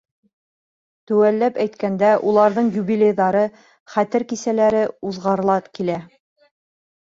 Теүәлләп әйткәндә, уларҙың юбилейҙары, хәтер кисәләре уҙғарыла килә.